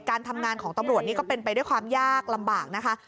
การทำงานของตำรวจนี่ก็เป็นไปด้วยความยากลำบากนะคะ